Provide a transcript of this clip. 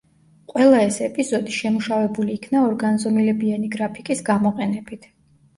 ყველა ეს ეპიზოდი შემუშავებული იქნა ორგანზომილებიანი გრაფიკის გამოყენებით.